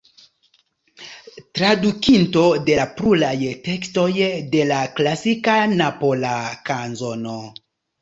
Tradukinto de pluraj tekstoj de la klasika Napola kanzono.